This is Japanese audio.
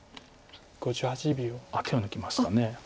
手を抜きました。